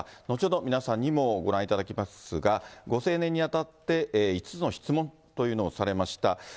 後ほど皆さんにもご覧いただきますが、ご成年にあたって、５つの質問というのをされました。